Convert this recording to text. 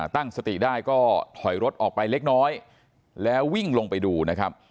ตั้งสติได้ก็ถอยรถออกไปเล็กน้อยแล้ววิ่งลงไปดูนะครับ